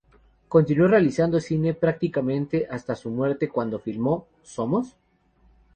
Continuó realizando cine prácticamente hasta su muerte cuando filmó "¿Somos?